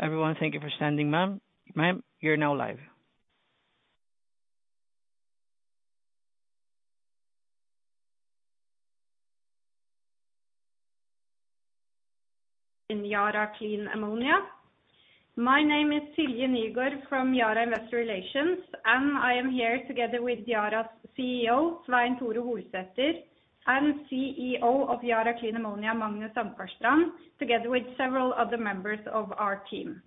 Everyone, thank you for standing by, ma'am. Ma'am, you're now live. In Yara Clean Ammonia. My name is Silje Nygaard from Yara Investor Relations, and I am here together with Yara's CEO, Svein Tore Holsether, and CEO of Yara Clean Ammonia, Magnus Krogh Ankarstrand, together with several other members of our team.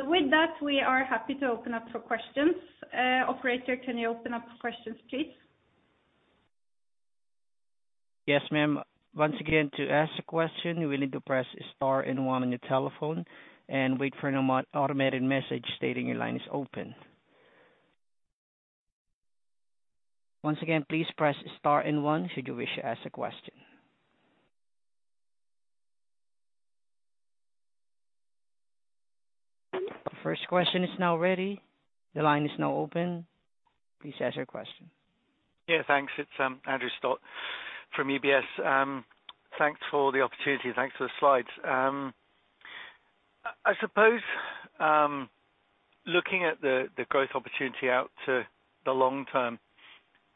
With that, we are happy to open up for questions. Operator, can you open up for questions, please? Yes, ma'am. Once again, to ask a question, you will need to press star and one on your telephone and wait for an automated message stating your line is open. Once again, please press star and one should you wish to ask a question. The first question is now ready. The line is now open. Please ask your question. Yeah, thanks. It's Andrew Stott from UBS. Thanks for the opportunity. Thanks for the slides. I suppose looking at the growth opportunity out to the long term,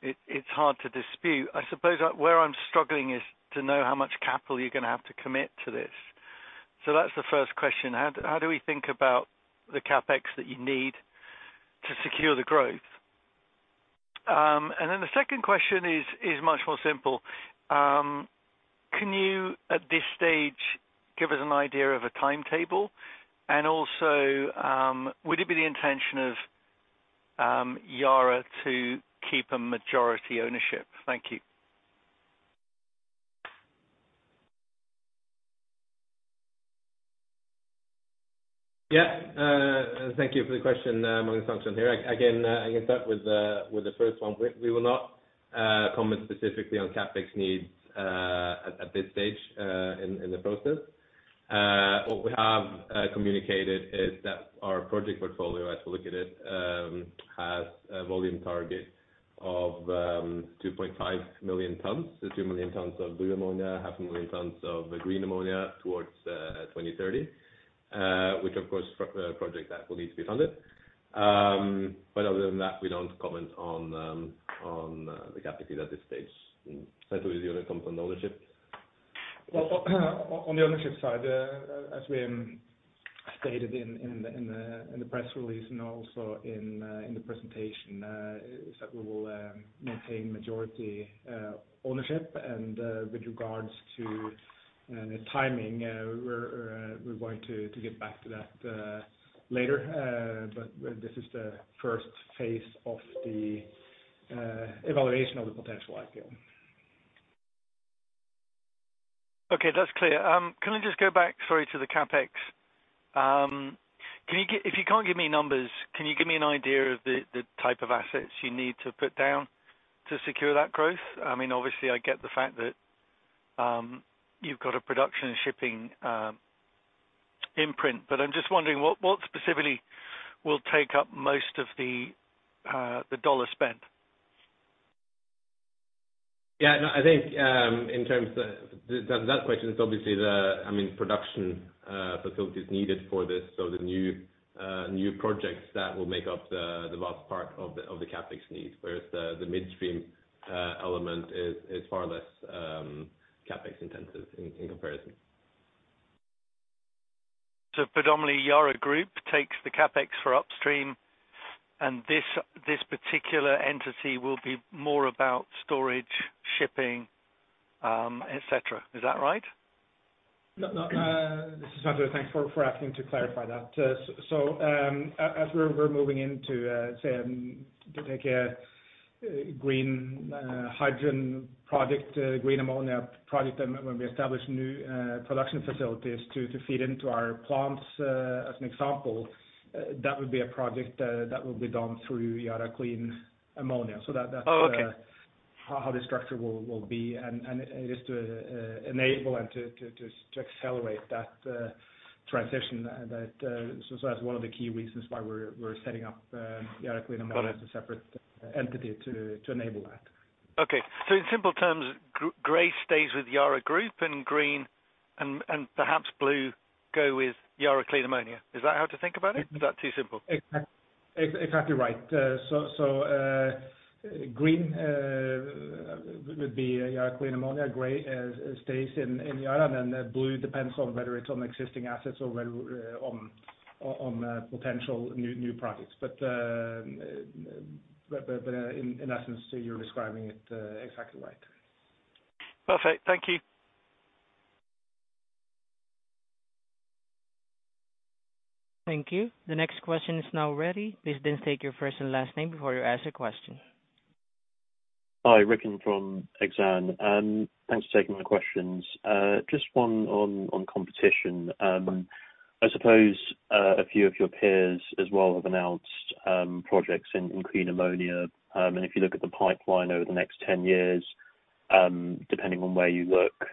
it's hard to dispute. I suppose where I'm struggling is to know how much capital you're gonna have to commit to this? That's the first question. How do we think about the CapEx that you need to secure the growth? The second question is much more simple. Can you, at this stage, give us an idea of a timetable? Also, would it be the intention of Yara to keep a majority ownership? Thank you. Thank you for the question. Magnus Krogh Ankarstrand here. Again, I can start with the first one. We will not comment specifically on CapEx needs at this stage in the process. What we have communicated is that our project portfolio, as we look at it, has a volume target of 2.5 million tons. Two million tons of blue ammonia, 0.5 million tons of green ammonia toward 2030, which of course a project that will need to be funded. Other than that, we don't comment on the CapEx need at this stage. Svein Tore Holsether, do you want to comment on the ownership? Well, on the ownership side, as we stated in the press release and also in the presentation, is that we will maintain majority ownership. With regards to timing, we're going to get back to that later. This is the first phase of the evaluation of the potential IPO. Okay, that's clear. Can I just go back, sorry, to the CapEx? If you can't give me numbers, can you give me an idea of the type of assets you need to put down to secure that growth? I mean, obviously I get the fact that you've got a production and shipping footprint, but I'm just wondering what specifically will take up most of the dollar spent? Yeah. No, I think in terms of that question is obviously, I mean, the production facilities needed for this. The new projects that will make up the vast part of the CapEx needs, whereas the midstream element is far less CapEx intensive in comparison. Predominantly, Yara International takes the CapEx for upstream, and this particular entity will be more about storage, shipping, etc. Is that right? No, no. This is Magnus. Thanks for asking to clarify that. As we're moving into, say, to take a green hydrogen project, a green ammonia project, and when we establish new production facilities to feed into our plants, as an example, that would be a project that will be done through Yara Clean Ammonia. Oh, okay. How this structure will be and it is to enable and to accelerate that transition. That's one of the key reasons why we're setting up Yara Clean Ammonia as a separate entity to enable that. Okay. In simple terms, gray stays with Yara International and green and perhaps blue go with Yara Clean Ammonia. Is that how to think about it? Is that too simple? Exactly right. Green would be Yara Clean Ammonia, gray stays in Yara, and then blue depends on whether it's on existing assets or whether on potential new projects. In essence, you're describing it exactly right. Perfect. Thank you. Thank you. The next question is now ready. Please then state your first and last name before you ask a question. Hi. David Symonds from Exane. Thanks for taking my questions. Just one on competition. I suppose a few of your peers as well have announced projects in clean ammonia. If you look at the pipeline over the next 10 years, depending on where you look,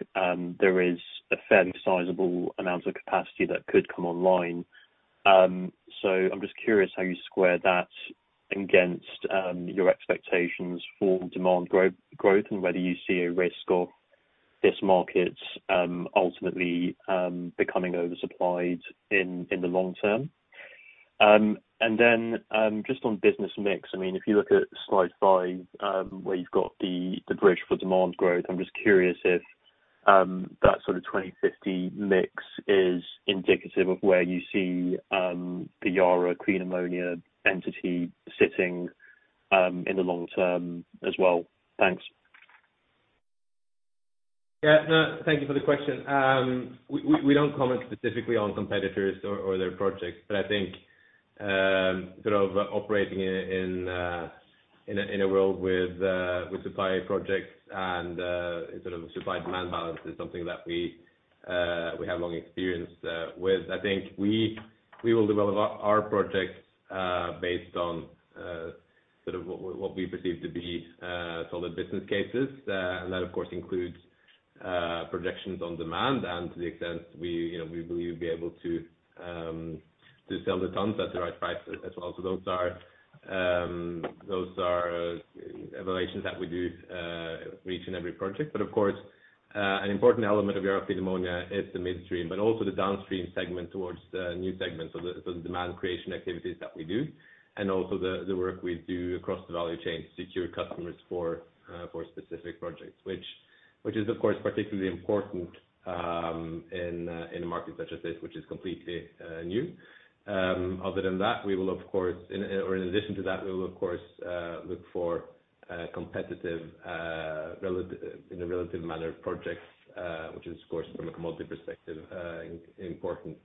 there is a fairly sizable amount of capacity that could come online. I'm just curious how you square that against your expectations for demand growth and whether you see a risk of this market's ultimately becoming oversupplied in the long term? Just on business mix, I mean, if you look at slide five, where you've got the bridge for demand growth, I'm just curious if that sort of 20-50 mix is indicative of where you see the Yara Clean Ammonia entity sitting in the long term as well? Thanks. Yeah, no, thank you for the question. We don't comment specifically on competitors or their projects. I think sort of operating in a world with supply projects and sort of supply demand balance is something that we have long experience with. I think we will develop our projects based on sort of what we perceive to be solid business cases. That of course includes projections on demand and to the extent we you know will be able to sell the tons at the right price as well. Those are evaluations that we do each and every project. Of course, an important element of European ammonia is the midstream, but also the downstream segment towards the new segments of the demand creation activities that we do. Also the work we do across the value chain to secure customers for specific projects, which is of course particularly important in a market such as this, which is completely new. Other than that, we will of course in addition to that we will of course look for competitive in a relative manner of projects, which is of course from a commodity perspective important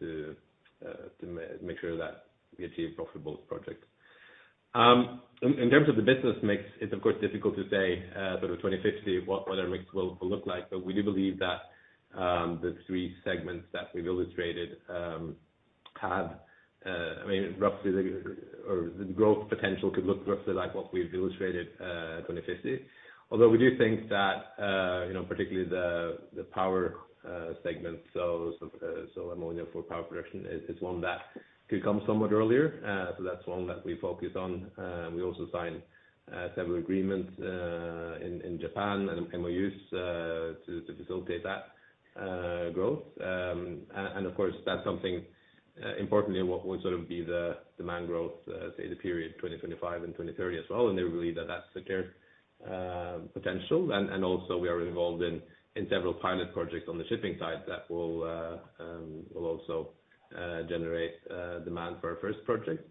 to make sure that we achieve profitable projects. In terms of the business mix, it's of course difficult to say sort of 20-50 what the mix will look like. We do believe that the three segments that we've illustrated have, I mean, roughly the growth potential could look roughly like what we've illustrated, 2050. Although we do think that, you know, particularly the Power Segment, so ammonia for power production is one that could come somewhat earlier. That's one that we focus on. We also signed several agreements in Japan and MOUs to facilitate that growth. Of course, that's something, importantly, what would sort of be the demand growth say the period 2025 and 2030 as well. They believe that that's secure potential. Also we are involved in several pilot projects on the shipping side that will also generate demand for our first project.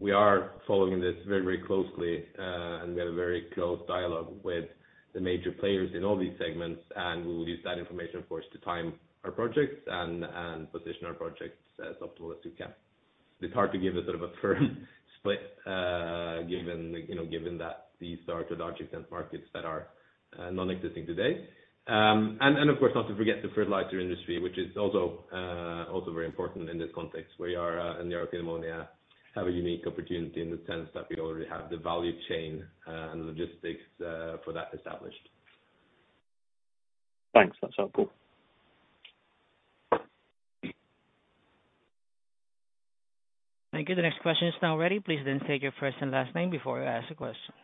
We are following this very closely and we have a very close dialogue with the major players in all these segments, and we will use that information, of course, to time our projects and position our projects as optimal as we can. It's hard to give a sort of a firm split, given you know that these are two large markets that are non-existing today. Of course, not to forget the fertilizer industry, which is also very important in this context, where Yara and European Ammonia have a unique opportunity in the sense that we already have the value chain and logistics for that established. Thanks. That's helpful. Thank you. The next question is now ready. Please then state your first and last name before you ask a question.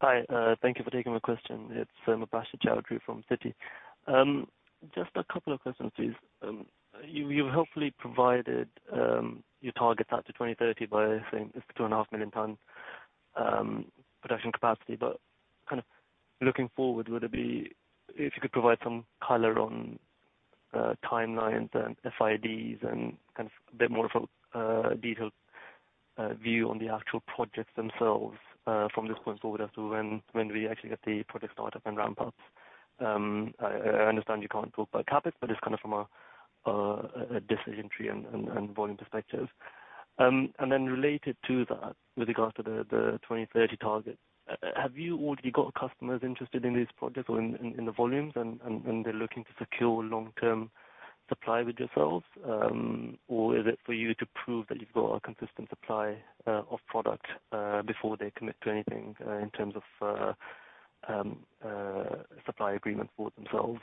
Hi, thank you for taking my question. It's Mubashir Chowdhury from Citi. Just a couple of questions, please. You hopefully provided your targets out to 2030 by saying it's 2.5 million tons production capacity. Kind of looking forward, would it be if you could provide some color on timelines and FIDs and kind of a bit more of a detailed view on the actual projects themselves from this point forward as to when we actually get the project started and ramp up? I understand you can't talk about CapEx, but just kind of from a decision tree and volume perspective. Then related to that, with regards to the 2030 target, have you already got customers interested in these projects or in the volumes and they're looking to secure long-term supply with yourselves? Or is it for you to prove that you've got a consistent supply of product before they commit to anything in terms of supply agreement for themselves?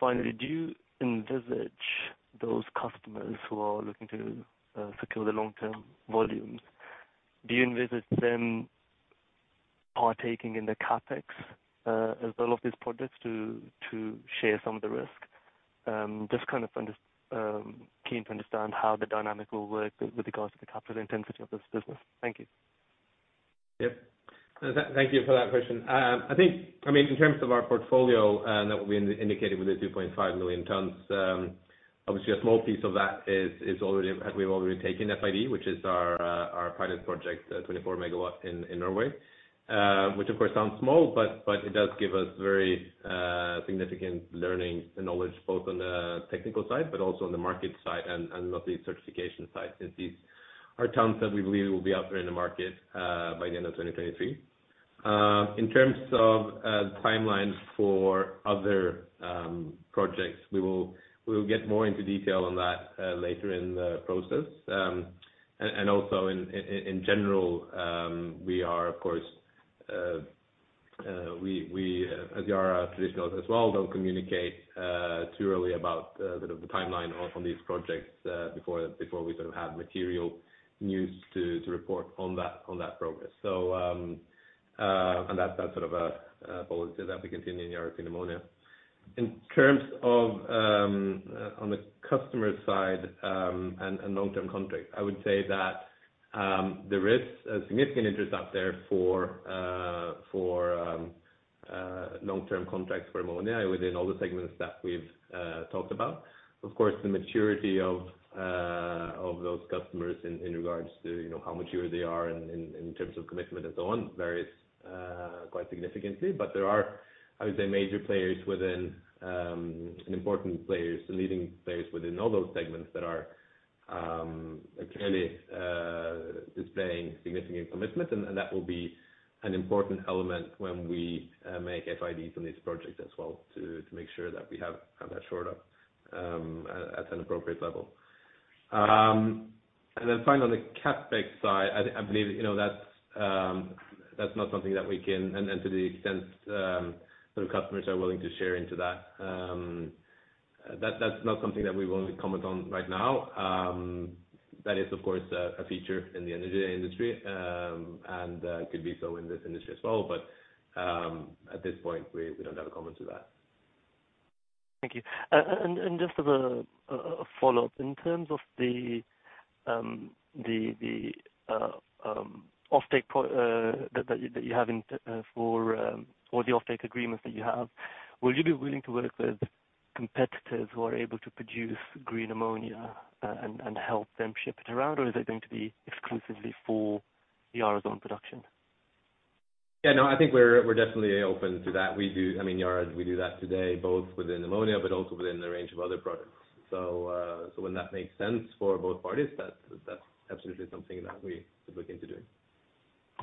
Finally, do you envisage those customers who are looking to secure the long-term volumes? Do you envisage them partaking in the CapEx as well of these projects to share some of the risk? Just kind of keen to understand how the dynamic will work with regards to the capital intensity of this business. Thank you. Yep. Thank you for that question. I think, I mean, in terms of our portfolio, that we indicated with the 2.5 million tons, obviously a small piece of that is already. We've already taken FID, which is our pilot project, 24 MW in Norway. Which of course sounds small, but it does give us very significant learning and knowledge, both on the technical side but also on the market side and obviously certification side, since these are tons that we believe will be out there in the market, by the end of 2023. In terms of timelines for other projects, we will get more into detail on that, later in the process. Also in general, we are of course, as Yara traditionally as well, don't communicate too early about sort of the timeline on these projects before we sort of have material news to report on that progress. That's sort of a policy that we continue in European Ammonia. In terms of on the customer side and long-term contract, I would say that there's a significant interest out there for long-term contracts for ammonia within all the segments that we've talked about. Of course, the maturity of those customers in regards to you know how mature they are in terms of commitment and so on varies quite significantly. There are, I would say, major players within and important players, leading players within all those segments that are clearly displaying significant commitment, and that will be an important element when we make FIDs on these projects as well to make sure that we have that shored up at an appropriate level. Then finally, on the CapEx side, I believe, you know, to the extent sort of customers are willing to share into that's not something that we will comment on right now. That is, of course, a feature in the energy industry. Could be so in this industry as well. At this point, we don't have a comment on that. Thank you. Just as a follow-up, in terms of the offtake that you have in the works, or the offtake agreements that you have, will you be willing to work with competitors who are able to produce green ammonia, and help them ship it around, or is it going to be exclusively for Yara's own production? Yeah, no, I think we're definitely open to that. We do. I mean, Yara, we do that today, both within ammonia but also within a range of other products. When that makes sense for both parties, that's absolutely something that we would look into doing.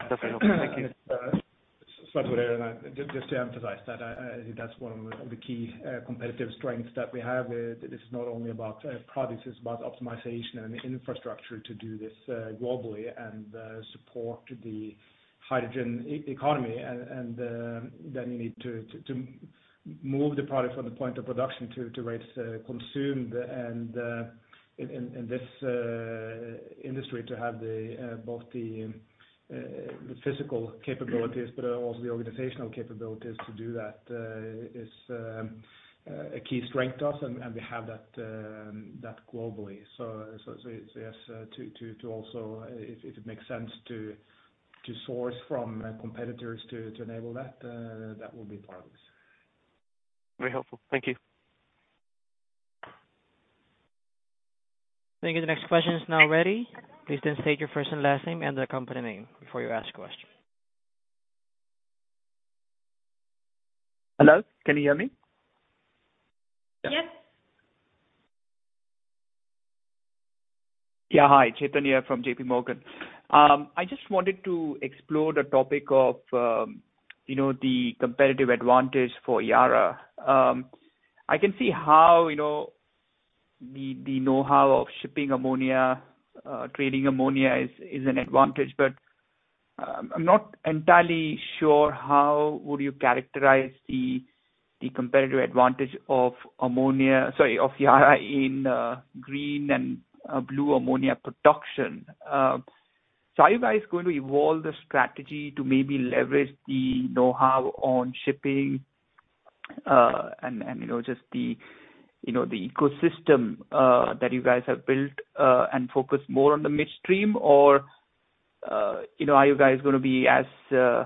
Definitely. Thank you. Svein Tore Holsether here. Just to emphasize that's one of the key competitive strengths that we have is this is not only about products, it's about optimization and infrastructure to do this globally and support the hydrogen economy. Then you need to move the product from the point of production to where it's consumed. In this industry to have both the physical capabilities but also the organizational capabilities to do that is a key strength to us, and we have that globally. It's yes to also if it makes sense to source from competitors to enable that will be part of this. Very helpful. Thank you. Thank you. The next question is now ready. Please then state your first and last name and the company name before you ask your question. Hello, can you hear me? Yes. Yeah. Hi, Chetan Udeshi from JPMorgan. I just wanted to explore the topic of you know the competitive advantage for Yara. I can see how you know the know-how of shipping ammonia, trading ammonia is an advantage, but I'm not entirely sure how would you characterize the competitive advantage of Yara in green and blue ammonia production. Are you guys going to evolve the strategy to maybe leverage the know-how on shipping and you know just the ecosystem that you guys have built and focus more on the midstream? You know, are you guys gonna be as, you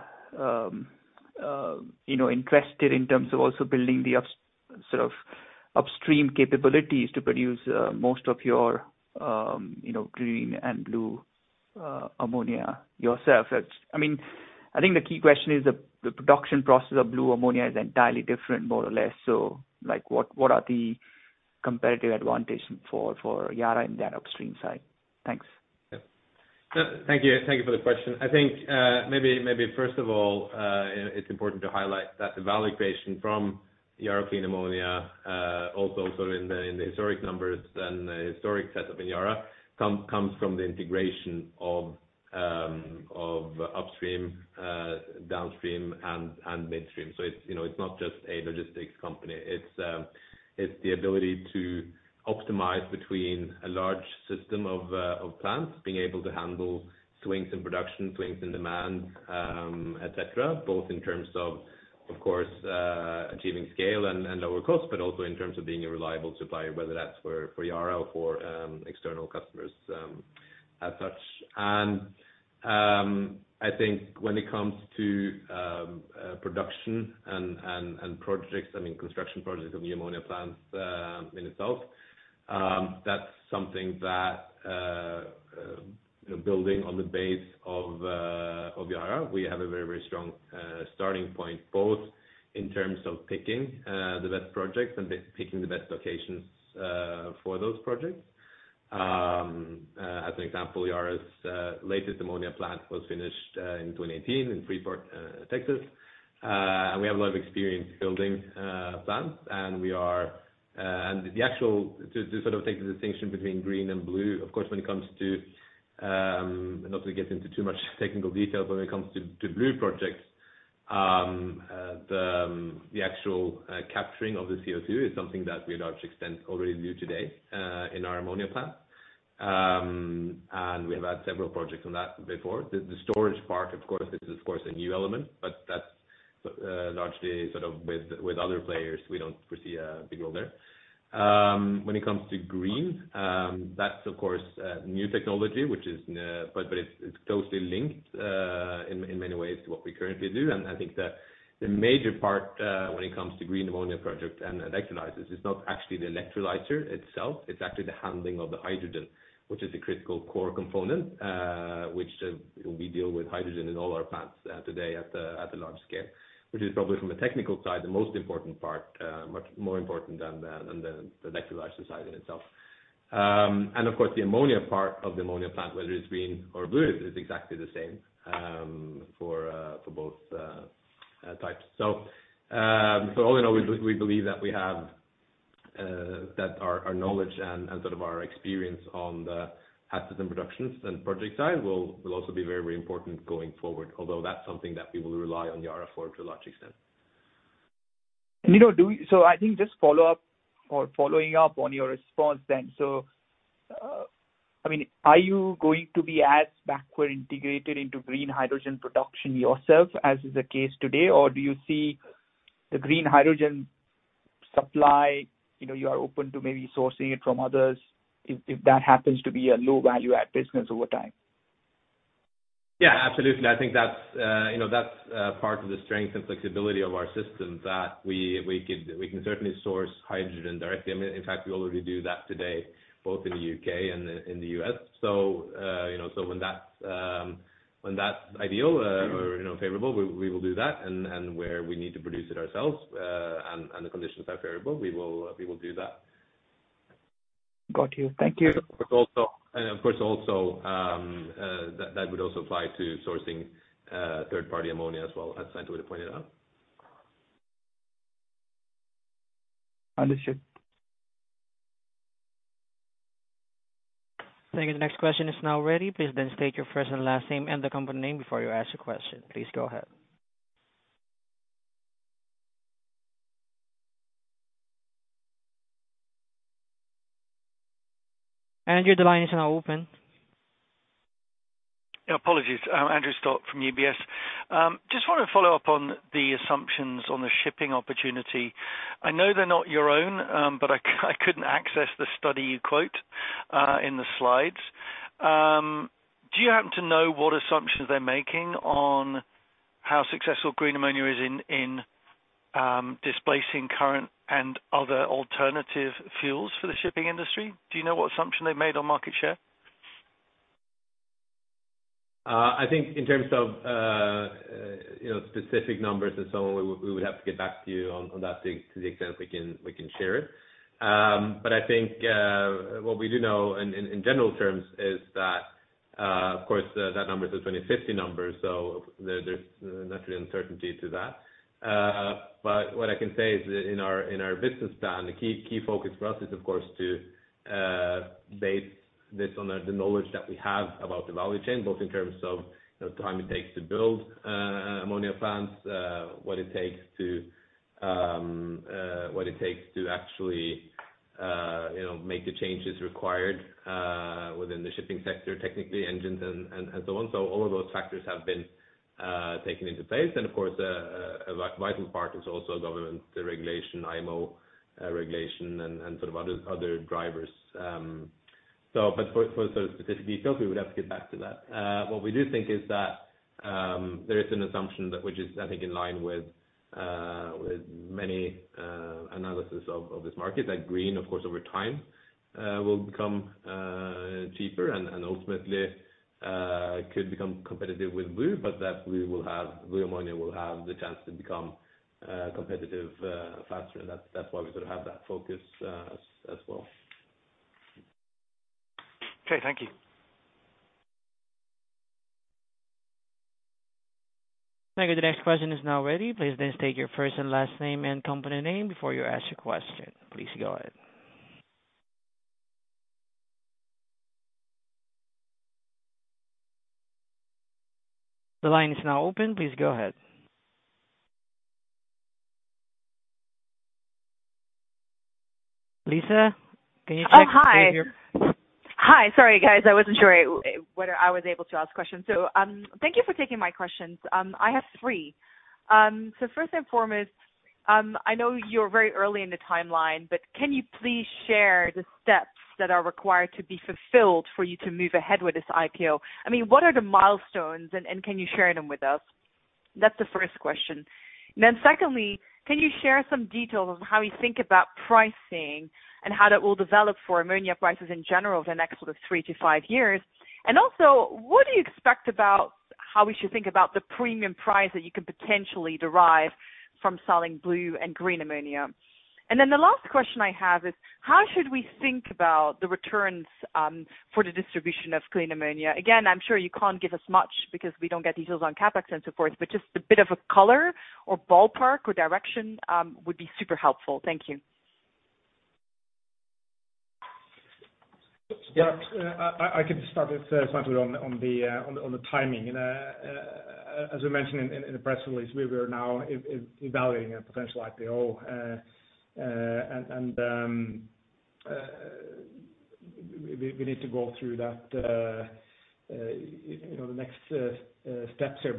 know, interested in terms of also building sort of upstream capabilities to produce, most of your, you know, green and blue ammonia yourself? It's, I mean, I think the key question is the production process of blue ammonia is entirely different, more or less, so, like, what are the competitive advantage for Yara in that upstream side? Thanks. Yeah. Thank you. Thank you for the question. I think, maybe first of all, you know, it's important to highlight that the value creation from Yara Clean Ammonia also sort of in the historic numbers and the historic setup in Yara comes from the integration of upstream, downstream and midstream. It's, you know, it's not just a logistics company. It's the ability to optimize between a large system of plants being able to handle swings in production, swings in demand, etc., both in terms of course, achieving scale and lower cost, but also in terms of being a reliable supplier, whether that's for Yara or for external customers, as such. I think when it comes to production and projects, I mean, construction projects of the ammonia plants in itself, that's something that building on the base of Yara, we have a very strong starting point, both in terms of picking the best projects and picking the best locations for those projects. As an example, Yara's latest ammonia plant was finished in 2018 in Freeport, Texas. We have a lot of experience building plants, and we are to sort of take the distinction between green and blue, of course, when it comes to and not to get into too much technical detail, when it comes to blue projects, the actual capturing of the CO2 is something that we to a large extent already do today in our ammonia plant. We have had several projects on that before. The storage part, of course, is a new element, but that's largely sort of with other players, we don't foresee a big role there. When it comes to green, that's of course new technology, but it's closely linked in many ways to what we currently do. I think that the major part, when it comes to green ammonia project and electrolyzers is not actually the electrolyzer itself, it's actually the handling of the hydrogen, which is the critical core component, which we deal with hydrogen in all our plants today at the large scale. Which is probably from a technical side, the most important part, much more important than the electrolyzer side in itself. Of course, the ammonia part of the ammonia plant, whether it's green or blue, is exactly the same, for both types. All in all, we believe that we have that our knowledge and sort of our experience on the assets and productions and project side will also be very important going forward, although that's something that we will rely on the RF for to a large extent. I think just following up on your response then. I mean, are you going to be as backward integrated into green hydrogen production yourself as is the case today? Or do you see the green hydrogen supply, you know, you are open to maybe sourcing it from others if that happens to be a low value add business over time? Yeah, absolutely. I think that's you know that's part of the strength and flexibility of our system that we can certainly source hydrogen directly. I mean, in fact, we already do that today, both in the U.K. and in the U.S. So you know when that's ideal or you know favorable, we will do that. And where we need to produce it ourselves and the conditions are favorable, we will do that. Got you. Thank you. Of course also, that would also apply to sourcing third-party ammonia as well, as Svein Tore Holsether pointed out. Understood. Thank you. The next question is now ready. Please then state your first and last name and the company name before you ask your question. Please go ahead. Andrew, the line is now open. Apologies. Andrew Stott from UBS. Just want to follow up on the assumptions on the shipping opportunity. I know they're not your own, but I couldn't access the study you quote in the slides. Do you happen to know what assumptions they're making on how successful green ammonia is in displacing current and other alternative fuels for the shipping industry? Do you know what assumption they've made on market share? I think in terms of, you know, specific numbers and so on, we would have to get back to you on that to the extent we can share it. I think what we do know in general terms is that, of course, that number is a 2050 number, so there's naturally uncertainty to that. What I can say is that in our business plan, the key focus for us is of course to base this on the knowledge that we have about the value chain, both in terms of the time it takes to build ammonia plants, what it takes to actually you know make the changes required within the shipping sector, technically, engines and so on. All of those factors have been taken into place. Of course, a vital part is also government regulation, IMO regulation, and sort of other drivers. For sort of specific details, we would have to get back to that. What we do think is that there is an assumption, which is, I think, in line with many analysis of this market, that green, of course, over time, will become cheaper and ultimately could become competitive with blue, but that blue ammonia will have the chance to become competitive faster. That's why we sort of have that focus as well. Okay. Thank you. Thank you. The next question is now ready. Please then state your first and last name and company name before you ask your question. Please go ahead. The line is now open. Please go ahead. Lisa, can you check? Oh, hi. Hi. Sorry guys, I wasn't sure whether I was able to ask questions. Thank you for taking my questions. I have three. First and foremost, I know you're very early in the timeline, but can you please share the steps that are required to be fulfilled for you to move ahead with this IPO? I mean, what are the milestones and can you share them with us? That's the first question. Secondly, can you share some details on how you think about pricing and how that will develop for ammonia prices in general over the next sort of three to five years? And also, what do you expect about how we should think about the premium price that you can potentially derive from selling blue and green ammonia? The last question I have is: How should we think about the returns for the distribution of green ammonia? Again, I'm sure you can't give us much because we don't get details on CapEx and so forth, but just a bit of a color or ballpark or direction would be super helpful. Thank you. Yeah. I can start with slightly on the timing. As we mentioned in the press release, we are now evaluating a potential IPO. We need to go through that, you know, the next steps here.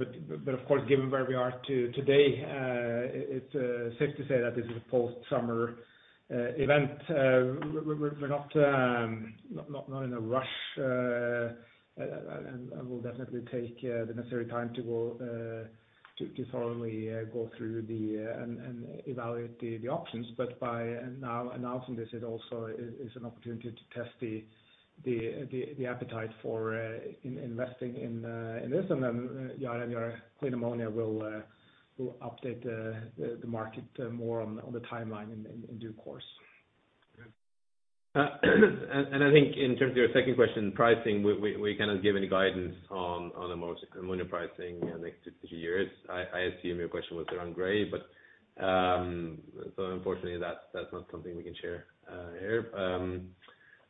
Of course, given where we are today, it's safe to say that this is a post-summer event. We're not in a rush. We'll definitely take the necessary time to thoroughly go through and evaluate the options. By now announcing this, it also is an opportunity to test the appetite for investing in this. Then Yara Clean Ammonia will update the market more on the timeline in due course. I think in terms of your second question, pricing, we cannot give any guidance on ammonia pricing in the next two-three years. I assume your question was around gray, but unfortunately, that's not something we can share here.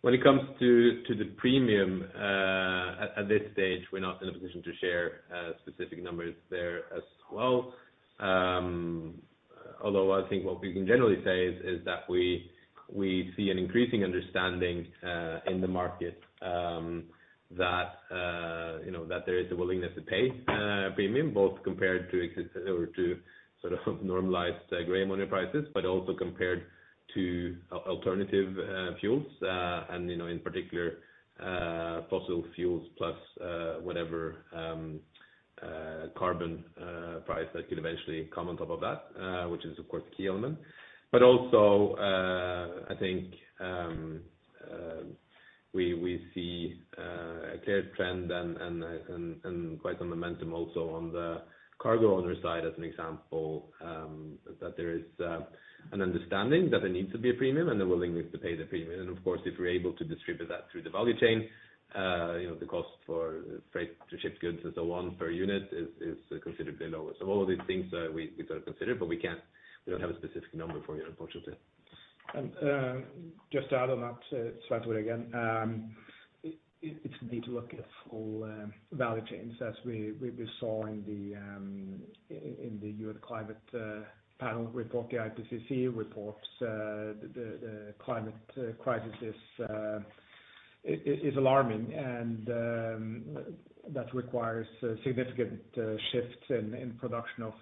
When it comes to the premium, at this stage, we're not in a position to share specific numbers there as well. Although I think what we can generally say is that we see an increasing understanding in the market that you know that there is a willingness to pay a premium both compared to sort of normalized gray ammonia prices, but also compared to alternative fuels. You know, in particular, fossil fuels plus whatever carbon price that could eventually come on top of that, which is of course a key element. Also, I think we see a clear trend and quite a momentum also on the cargo owner side, as an example, that there is an understanding that there needs to be a premium and a willingness to pay the premium. Of course, if we're able to distribute that through the value chain, you know, the cost for freight to ship goods, as the one per unit, is considerably lower. All of these things, we sort of consider, but we don't have a specific number for you, unfortunately. Just to add on that, Svein Tore Holsether again. It's indeed look at full value chains as we saw in the U.N. climate panel report, the IPCC reports. The climate crisis is alarming. That requires significant shifts in production of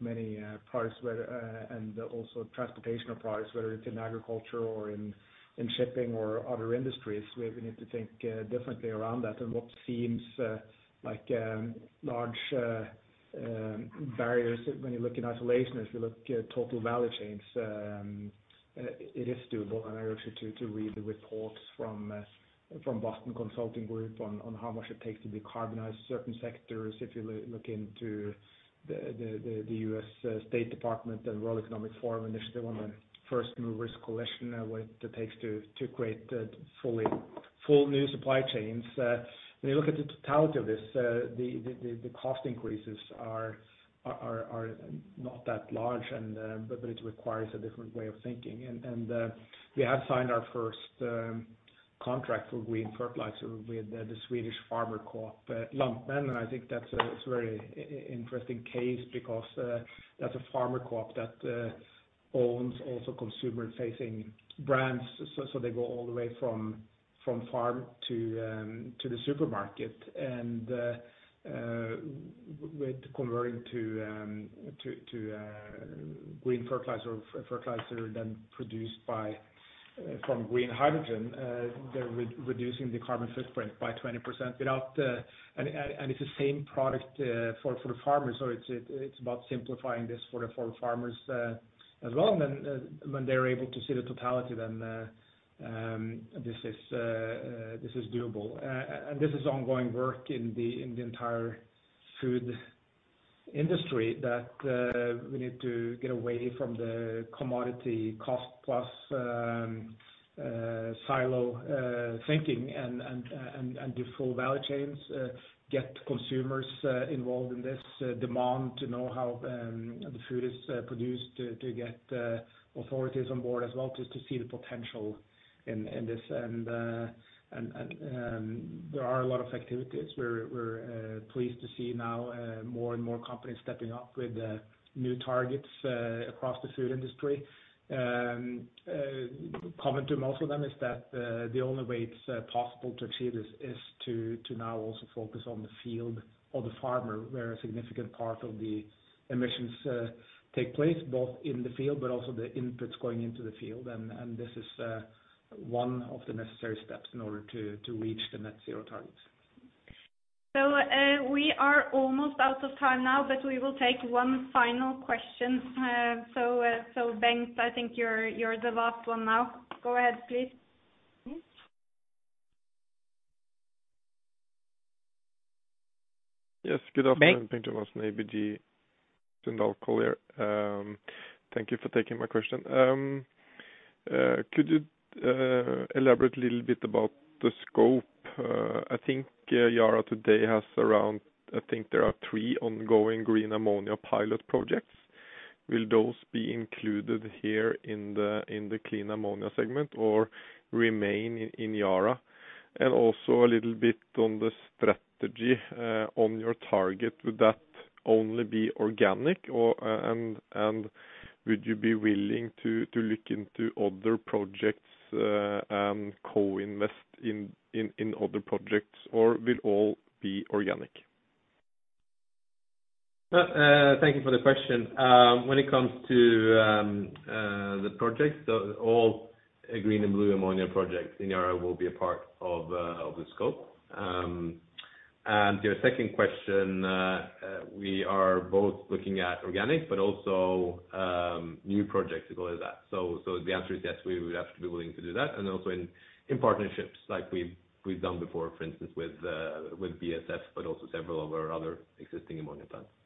many products, whether and also transportation of products, whether it's in agriculture or in shipping or other industries, where we need to think differently around that. What seems like large barriers when you look in isolation, if you look at total value chains, it is doable. I urge you to read the reports from Boston Consulting Group on how much it takes to decarbonize certain sectors. If you look into the United States Department of State and World Economic Forum initiative on the First Movers Coalition, what it takes to create full new supply chains. When you look at the totality of this, the cost increases are not that large, but it requires a different way of thinking. We have signed our first contract for green fertilizer with the Swedish farmer co-op Lantmännen. I think that's a very interesting case because that's a farmer co-op that owns also consumer-facing brands. So they go all the way from farm to the supermarket. With converting to green fertilizer then produced from green hydrogen, they're reducing the carbon footprint by 20% without. It's the same product for the farmers. It's about simplifying this for the farmers as well. When they're able to see the totality, this is doable. This is ongoing work in the entire food industry that we need to get away from the commodity cost plus silo thinking and do full value chains, get consumers involved in this demand to know how the food is produced to get authorities on board as well, just to see the potential in this. There are a lot of activities. We're pleased to see now more and more companies stepping up with new targets across the food industry. Common to most of them is that the only way it's possible to achieve this is to now also focus on the field or the farmer, where a significant part of the emissions take place, both in the field but also the inputs going into the field. This is one of the necessary steps in order to reach the net zero targets. We are almost out of time now, but we will take one final question. Bengt, I think you're the last one now. Go ahead, please. Bengt? Yes. Good afternoon. Bengt Jonassen, ABG Sundal Collier. Thank you for taking my question. Could you elaborate a little bit about the scope? I think Yara today has around. I think there are three ongoing green ammonia pilot projects. Will those be included here in the clean ammonia segment or remain in Yara? Also a little bit on the strategy on your target. Would that only be organic or and would you be willing to look into other projects and co-invest in other projects, or will all be organic? Thank you for the question. When it comes to the projects, all green and blue ammonia projects in Yara will be a part of the scope. Your second question, we are both looking at organic, but also new projects to go with that. The answer is yes, we would have to be willing to do that. Also in partnerships like we've done before, for instance, with BASF, but also several of our other existing ammonia plants. Thanks. Okay. Thank you.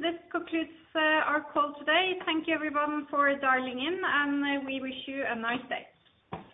This concludes our call today. Thank you everyone for dialing in, and we wish you a nice day.